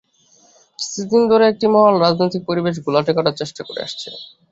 কিছুদিন ধরে একটি মহল রাজনৈতিক পরিবেশ ঘোলাটে করার চেষ্টা করে আসছে।